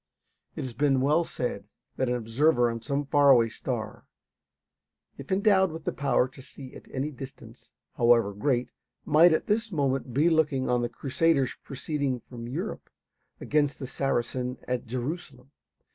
It has been well said that an observer on some far away star, if endowed with the power to see at any distance, however great, might at this moment be looking on the Crusaders proceeding from Europe against the Saracen at Jerusalem.